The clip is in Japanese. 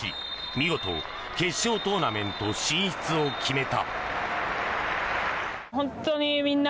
見事、決勝トーナメント進出を決めた。